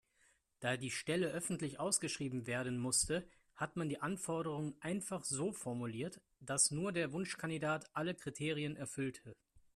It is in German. Da die Stelle öffentlich ausgeschrieben werden musste, hat man die Anforderungen einfach so formuliert, dass nur der Wunschkandidat alle Kriterien erfüllte.